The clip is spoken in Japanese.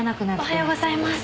おはようございます。